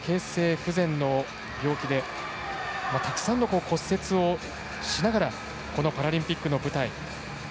不全の病気でたくさんの骨折をしながらこのパラリンピックの舞台。